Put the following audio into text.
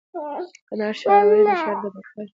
:کندهار ښاروالي د ښار د پاکوالي،